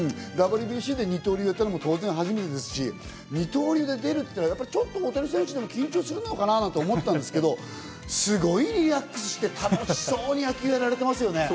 ＷＢＣで二刀流をやったのは当然初めてですし、二刀流で出るとなると、大谷選手でも緊張するのかなと思ったんですけど、すごいリラックスして楽しそうに野球をやられていますね。